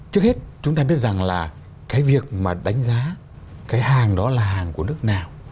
trước hết chúng ta biết rằng là cái việc mà đánh giá cái hàng đó là hàng của nước nào